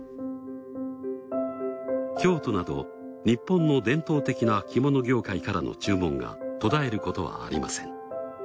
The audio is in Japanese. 京都など日本の伝統的な着物業界からの注文が途絶えることはありません。